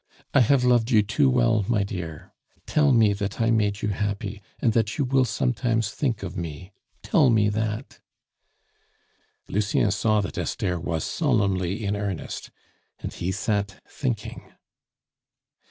"I have loved you too well, my dear. Tell me that I made you happy, and that you will sometimes think of me. Tell me that!" Lucien saw that Esther was solemnly in earnest, and he sat thinking.